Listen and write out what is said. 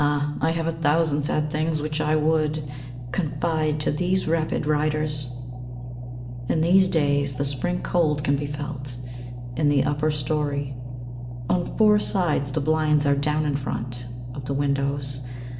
Ah, I have a thousand sad things which I would confide to these rapid riders. 39 SPRING COLD ;» In these days the Spring cold can be felt in the upper storey. On four sides the blinds are down in front of the windows.